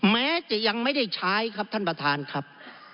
แม้จะยังไม่ได้ใช้ครับท่านประธานครับ